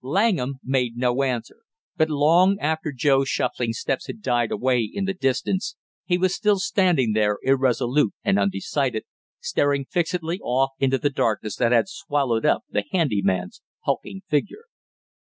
Langham made no answer, but long after Joe's shuffling steps had died away in the distance he was still standing there irresolute and undecided, staring fixedly off into the darkness that had swallowed up the handy man's hulking figure.